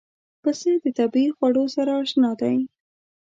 پسه د طبیعي خوړو سره اشنا دی.